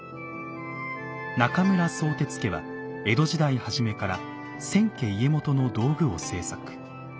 中村宗哲家は江戸時代初めから千家家元の道具を制作。